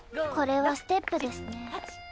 これはステップですね。